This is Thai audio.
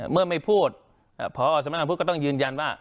เมื่อไม่พูดพอสำนักงานพุทธก็ต้องยืนยันว่า